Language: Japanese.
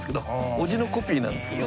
おじのコピーなんですけど。